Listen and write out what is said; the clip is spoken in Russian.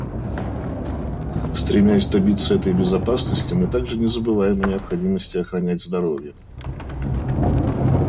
Стремясь добиться этой безопасности, мы также не забываем и о необходимости охранять здоровья.